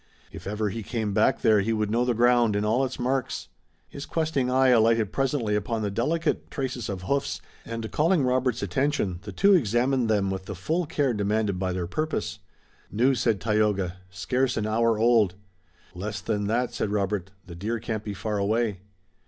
If ever he came back there he would know the ground and all its marks. His questing eye alighted presently upon the delicate traces of hoofs, and, calling Robert's attention, the two examined them with the full care demanded by their purpose. "New," said Tayoga; "scarce an hour old." "Less than that," said Robert. "The deer can't be far away."